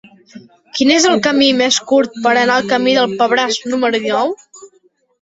Quin és el camí més curt per anar al camí del Pebràs número dinou?